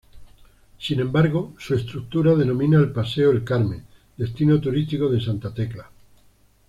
Sin embargo, su estructura domina el Paseo El Carmen, destino turístico de Santa Tecla.